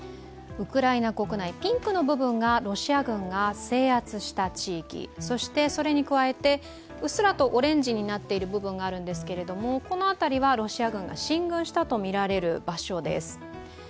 ウクライナ国内、ピンクの部分がロシア軍が制圧した地域、そして、それに加えてうっすらとオレンジになっている部分があるんですけどこの辺りはロシア軍が進軍したとみられる場所です。